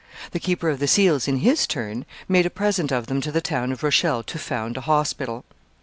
The keeper of the seals in his turn made a present of them to the town of Rochelle to found a hospital.